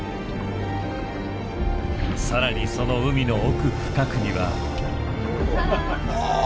更にその海の奥深くには。